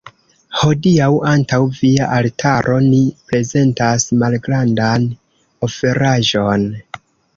Hodiaǔ, antaǔ via altaro, ni prezentas malgrandan oferaĵon.